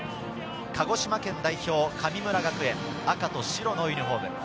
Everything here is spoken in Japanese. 鹿児島県代表・神村学園、赤と白のユニホーム。